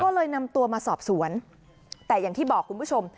ก็เลยนำตัวมาสอบสวนแต่อย่างที่บอกคุณผู้ชม